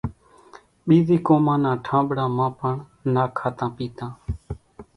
ٻيزِي قومان نان ٺانٻڙان مان پڻ نا کاتان پيتان۔